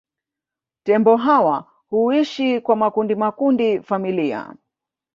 Tembo hawa huishi kwa makundi makundi familia